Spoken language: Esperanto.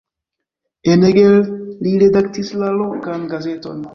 En Eger li redaktis la lokan gazeton.